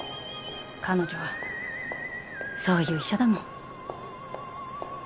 彼女はそういう医者だもん。